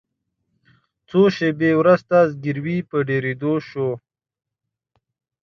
څو شیبې وروسته زګیروي په ډیریدو شو.